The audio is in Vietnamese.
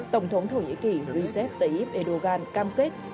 tổng thống thổ nhĩ kỳ recep tayyip erdogan cam kết